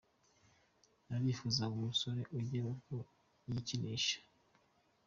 Ntarifuza umusore ngo agere ubwo yikinisha.